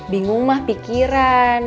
bingung mah pikiran